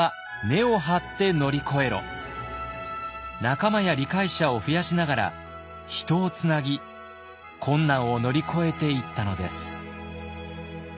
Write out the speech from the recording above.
仲間や理解者を増やしながら人をつなぎ困難を乗り越えていったのです。